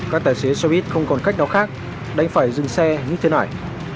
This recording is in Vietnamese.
các tài xế xe buýt không còn cách nào khác đành phải dừng xe như thế này